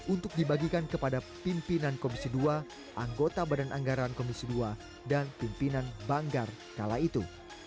untuk dibagikan kepada pimpinan komisi dua anggota badan anggaran komisi dua dan pimpinan banggar kala itu